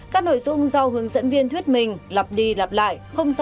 các nội dung do hướng dẫn viên thuyết minh lặp đi lặp lại